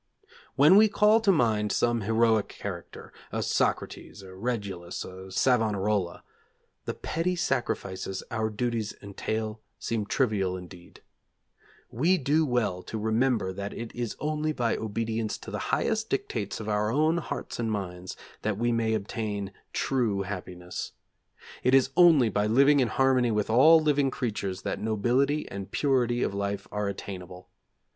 When we call to mind some heroic character a Socrates, a Regulus, a Savonarola the petty sacrifices our duties entail seem trivial indeed. We do well to remember that it is only by obedience to the highest dictates of our own hearts and minds that we may obtain true happiness. It is only by living in harmony with all living creatures that nobility and purity of life are attainable.